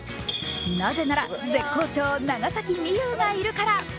なぜなら絶好調、長崎美柚がいるから。